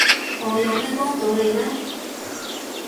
我有咩幫到你呢？